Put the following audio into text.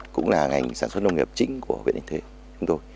cũng là ngành sản xuất nông nghiệp chính của viện yên thế chúng tôi